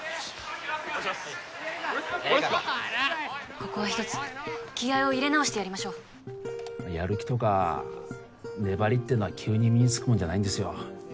ここは一つ気合いを入れ直してやりましょうやる気とか粘りっていうのは急に身につくものじゃないんですよ